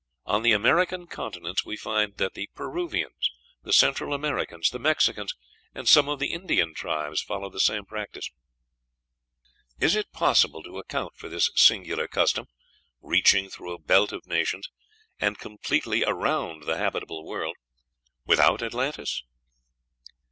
On the American continents we find that the Peruvians, the Central Americans, the Mexicans, and some of the Indian tribes, followed the same practice. Is it possible to account for this singular custom, reaching through a belt of nations, and completely around the habitable world, without Atlantis?